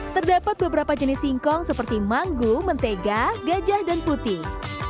terdapat beberapa jenis singkong seperti manggu mentega gajah dan putih